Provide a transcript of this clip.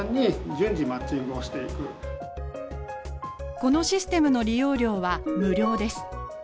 このシステムの利用料は無料です。